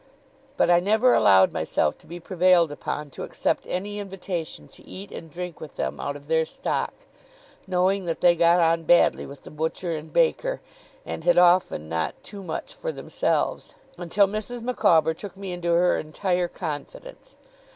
But I never allowed myself to be prevailed upon to accept any invitation to eat and drink with them out of their stock (knowing that they got on badly with the butcher and baker, and had often not too much for themselves), until Mrs. Micawber took me into her entire confidence.